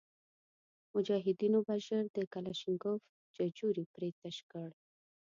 مجاهدینو به ژر د کلشینکوف ججوري پرې تش کړ.